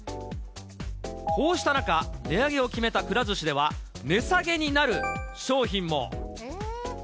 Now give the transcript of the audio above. こうした中、値上げを決めたくら寿司では、値下げになる商品も。